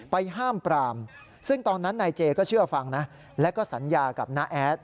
ห้ามปรามซึ่งตอนนั้นนายเจก็เชื่อฟังนะแล้วก็สัญญากับน้าแอด